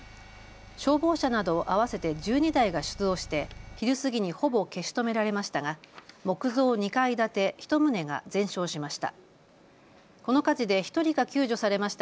消防車など合わせて１２台が出動して昼過ぎにほぼ消し止められましたが、木造２階建て１棟が全焼しました。